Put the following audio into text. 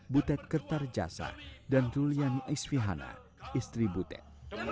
butet kertar jasa dan ruliani isfihana istri butet